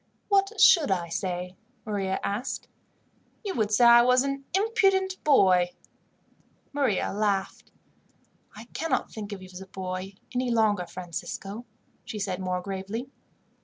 "What should I say?" Maria asked. "You would say I was an impudent boy." Maria laughed. "I cannot think of you as a boy any longer, Francisco," she said more gravely.